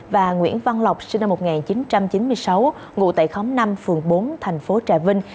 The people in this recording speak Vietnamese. và nguyễn văn lộc sinh năm một nghìn chín trăm chín mươi sáu ngụ tại khóm năm phường bốn thành phố trà vinh